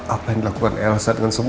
apa itu benar no